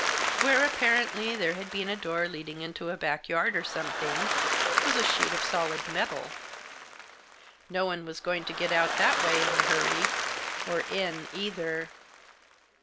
Where, apparently, there had been a door leading into a back yard or something, was a sheet of solid metal. No one was going to get out that way in a hurry ; or in either.